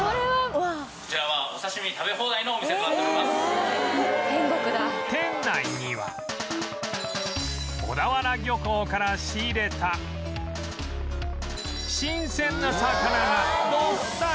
こちらは店内には小田原漁港から仕入れた新鮮な魚がどっさり！